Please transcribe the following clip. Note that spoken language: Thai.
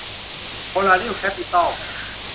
โพลาริส แคปปิตัล